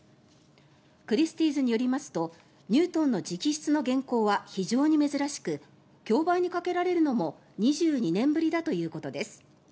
クリスティーズによりますとニュートンの直筆の原稿は非常に珍しく競売にかけられるのも２２年ぶりだということです。